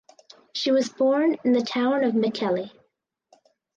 She was born in the town of Mikkeli.